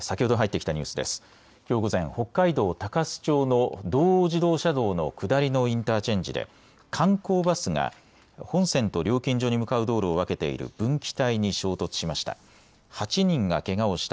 きょう午前、北海道鷹栖町の道央自動車道の下りのインターチェンジで観光バスが本線と料金所に向かう道路を分けている分岐帯に衝突しました。